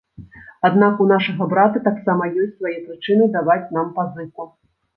Аднак у нашага брата таксама ёсць свае прычыны даваць нам пазыку.